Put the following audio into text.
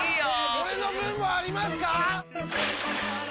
俺の分もありますか！？